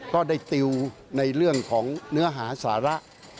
ก็ได้ติวในเรื่องของเนื้อหาสาระ